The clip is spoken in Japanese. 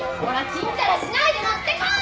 チンタラしないで持ってこい！